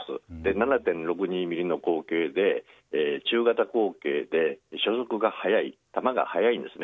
７．６２ｍｍの口径で中型口径で射速が速い、弾が速いんです。